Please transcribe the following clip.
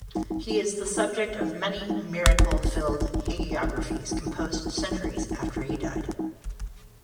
He is the subject of many miracle-filled hagiographies composed centuries after he died.